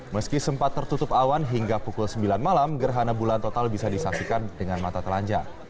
meski sempat tertutup awan hingga pukul sembilan malam gerhana bulan total bisa disaksikan dengan mata telanjang